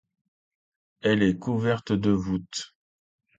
Elle est couverte de voûtes.